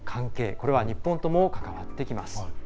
これは日本とも関わってきます。